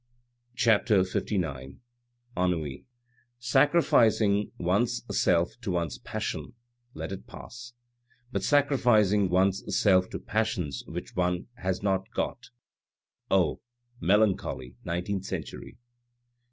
CHAPTER LIX ENNUI Sacrificing one's self to one's passions, let it pass ; but sacrificing one's self to passions which one has not got ! Oh ! melancholy nineteenth century